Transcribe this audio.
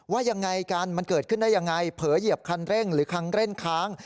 ว่ายังไงกันมันเกิดขึ้นได้ยังไงเผลอเหยียบคันเร่งหรือคันเร่งค้าง